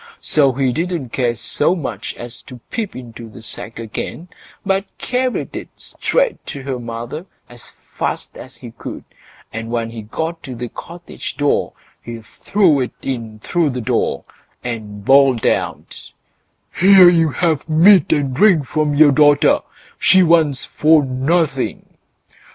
So he didn't care so much as to peep into the sack again, but carried it straight to her mother as fast as he could, and when he got to the cottage door he threw it in through the door, and bawled out: "Here you have meat and drink from your daughter; she wants for nothing."